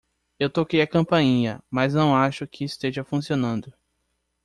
Eu toquei a campainha, mas não acho que esteja funcionando.